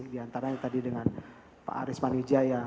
di antaranya tadi dengan pak arisman wijaya